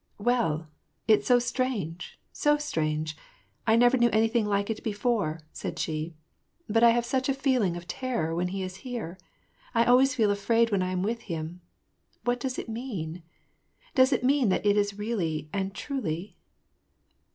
'•' Well, it's so strange, so strange ! I never knew anything like it before," said she. " But I have such a feeling of ter ror when he is here ; I always feel afraid when I am with him ; what does it mean? Does it mean that it is really and truly